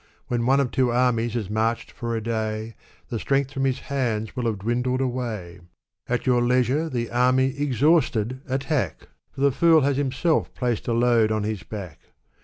When one of two armies has marched for a day, The strength from his hands will have dwindled away ; At your leisure the army exhausted attack ! For the fool has himself placed a load on his back.